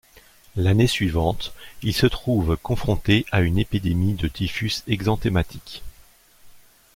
L'année suivante, il se trouve confronté à une épidémie de typhus exanthématique.